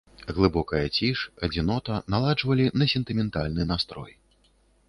Глыбокая ціш, адзінота наладжвалі на сентыментальны настрой.